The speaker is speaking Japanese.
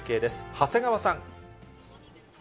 長谷川さん。